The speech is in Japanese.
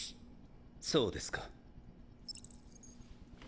そうですか。